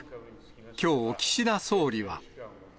きょう、岸田総理は。